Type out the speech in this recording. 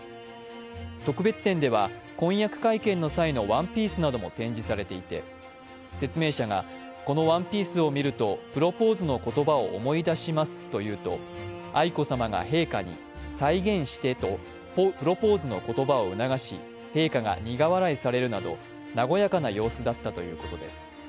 特別展では婚約会見の際のワンピースなども展示されていて説明者が、このワンピースを見るとプロポーズの言葉を思い出しますと言うと、愛子さまが陛下に「再現して」とプロポーズの言葉を促し陛下が苦笑いされるなど和やかな様子だったということです。